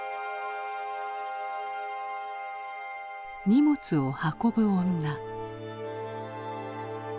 荷物を運ぶ女。